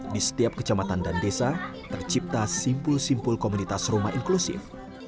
di setiap kecamatan dan desa tercipta simpul simpul komunitas rumah inklusif